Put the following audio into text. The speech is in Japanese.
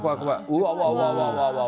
うわわわ。